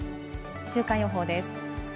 週間予報です。